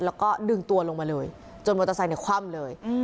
แล้วก็ดึงตัวลงมาเลยจนมอเตอร์ไซค์คว่ำเลย